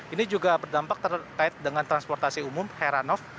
ini juga berdampak terkait dengan transportasi umum heranov